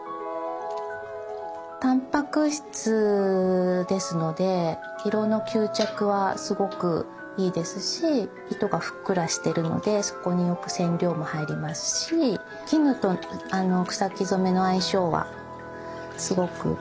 たんぱく質ですので色の吸着はすごくいいですし糸がふっくらしてるのでそこによく染料も入りますし絹と草木染めの相性はすごくいいかなと私は思います。